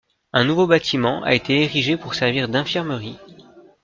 Un nouveau bâtiment a été érigé pour servir d'infirmerie.